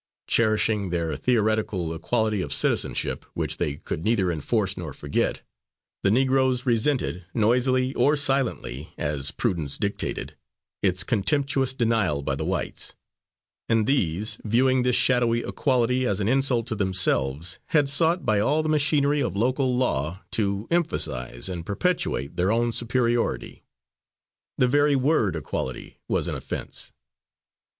Cherishing their theoretical equality of citizenship, which they could neither enforce nor forget, the Negroes resented, noisly or silently, as prudence dictated, its contemptuous denial by the whites; and these, viewing this shadowy equality as an insult to themselves, had sought by all the machinery of local law to emphasise and perpetuate their own superiority. The very word "equality" was an offence.